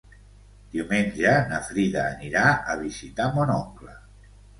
Diumenge na Frida anirà a visitar mon oncle.